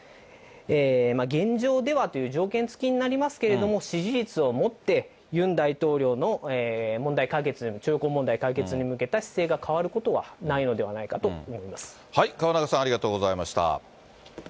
現状ではという条件つきになりますけれども、支持率をもって、ユン大統領の徴用工問題解決に向けた姿勢が変わることはないので河中さん、ありがとうございました。